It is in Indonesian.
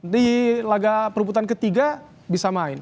di laga perubutan ketiga bisa main